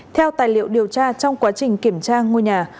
theo tài liệu điều tra trong quá trình kiểm tra ngôi nhà